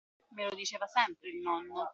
Me lo diceva sempre il nonno.